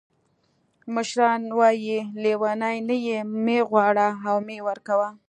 مشران وایي: لیوني نه یې مه غواړه او مه یې ورکوه.